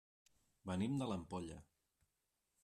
Venim de l'Ampolla.